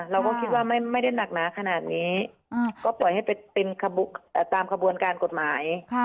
เราก็คิดว่าไม่ได้หนักหนาขนาดนี้ก็ปล่อยให้เป็นตามขบวนการกฎหมาย